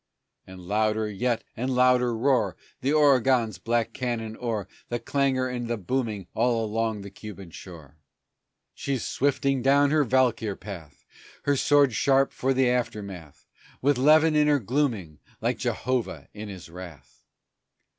And louder yet and louder roar The Oregon's black cannon o'er The clangor and the booming all along the Cuban shore. She's swifting down her valkyr path, Her sword sharp for the aftermath, With levin in her glooming, like Jehovah in His wrath.